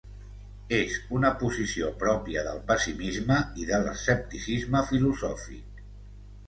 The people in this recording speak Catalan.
És una posició pròpia del pessimisme i de l'escepticisme filosòfic.